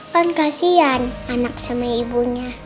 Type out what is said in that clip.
kan kasian anak sama ibunya